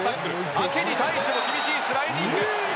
アケに対しても厳しいスライディング！